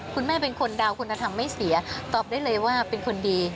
คุณแม่เป็นคนดาวคุณธรรมไม่เสียตอบได้เลยว่าเป็นคนดี